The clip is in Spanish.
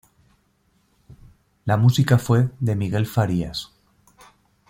La música fue de Miguel Farías.